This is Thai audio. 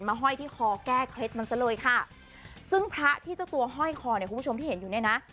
ห้อยที่คอแก้เคล็ดมันซะเลยค่ะซึ่งพระที่เจ้าตัวห้อยคอเนี่ยคุณผู้ชมที่เห็นอยู่เนี่ยนะ